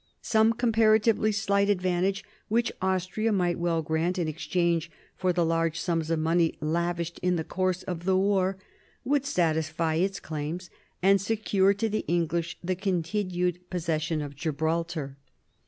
Some comparatively slight advantage, which Austria might well grant in exchange for the large sums of money lavished in the course of the war, would satisfy its claims, and secure to the English the continued possession of Gibraltar.